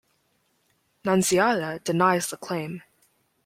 Nunziata denies the claim.